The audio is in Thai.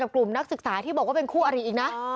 กลุ่มนักศึกษาที่บอกว่าเป็นคู่อริอีกนะ